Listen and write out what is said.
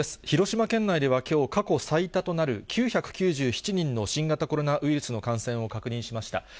広島県内ではきょう、過去最多となる９９７人の新型コロナウイルスの感染を確認しました。